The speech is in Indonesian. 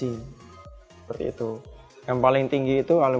seperti itu yang paling tinggi itu alumni